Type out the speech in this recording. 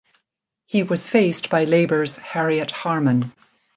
He was faced by Labour's Harriet Harman.